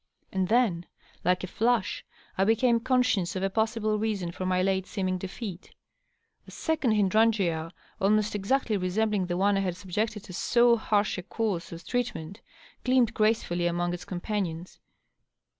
And then, like a flash, I became conscious of a possible reason for my late seeming defeat. A second hydrangea, almost exactly resembling the one I had subjected to so harsh a course of treatment, gleamed graceful among its companions.